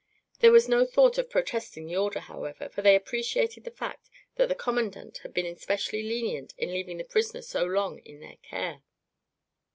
There was no thought of protesting the order, however, for they appreciated the fact that the commandant had been especially lenient in leaving the prisoner so long in their care.